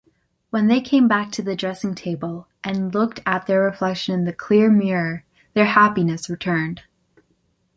When they came back to the dressing table and looked at their reflection in the clear mirror, their happiness returned.